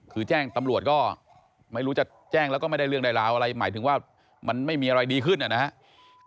คือแจ้งตำรวจก็ไม่รู้จะแจ้งแล้วก็ไม่ได้เรื่องได้ราวอะไรหมายถึงว่ามันไม่มีอะไรดีขึ้นนะครับ